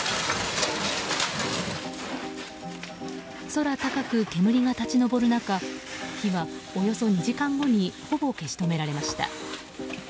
空高く煙が立ち上る中火はおよそ２時間後にほぼ消し止められました。